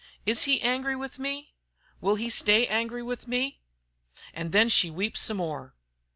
Is he angry with me? Will he stay angry with me?' An' then she weeps some more."